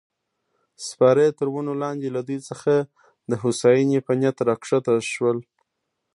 سپاره یې تر ونو لاندې له دوی څخه د هوساینې په نیت راکښته شول.